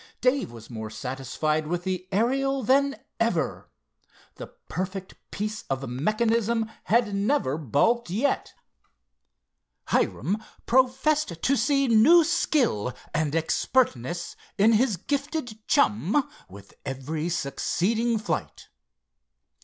Dave was more satisfied with the Ariel than ever. The perfect piece of mechanism had never "balked" yet. Hiram professed to see new skill and expertness in his gifted chum with every succeeding flight.